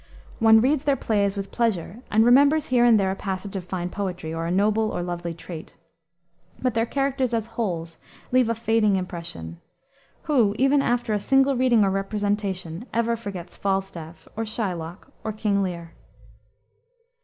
One reads their plays with pleasure and remembers here and there a passage of fine poetry, or a noble or lovely trait. But their characters, as wholes, leave a fading impression. Who, even after a single reading or representation, ever forgets Falstaff, or Shylock, or King Lear?